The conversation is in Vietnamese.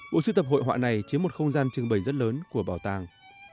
bộ sưu tập hội họa này chiếm một không gian trưng bày rất lớn của bảo tàng